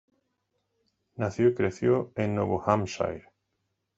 Nació y creció en Nuevo Hampshire.